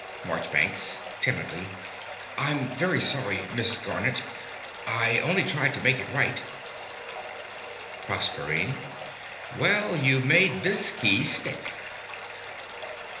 MARCHBANKS (timidly). I'm very sorry, Miss Garnett. I only tried to make it write. PROSERPINE. Well, you've made this key stick.